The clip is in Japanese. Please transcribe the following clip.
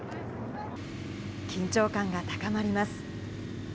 緊張感が高まります。